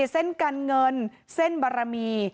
เส้นการเงินเส้นบารมี